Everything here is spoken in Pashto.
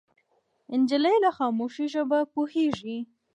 نجلۍ له خاموشۍ ژبه پوهېږي.